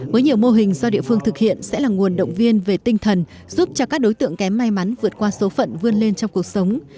với nhiều mô hình do địa phương thực hiện sẽ là nguồn động viên về tinh thần giúp cho các đối tượng kém may mắn vượt qua số phận vươn lên trong cuộc sống